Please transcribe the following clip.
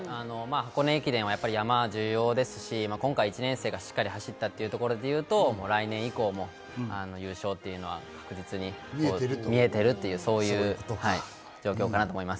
箱根駅伝は山も重要ですし、１年生が今回走ったというところで、来年以降も優勝というのは確実に見えているという、そういう状況かと思います。